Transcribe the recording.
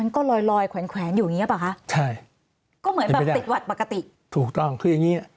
ถูกต้องคืออย่างนี้